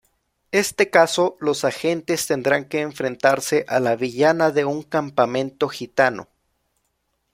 Este caso, los agentes tendrán que enfrentarse a la villana de un campamento gitano.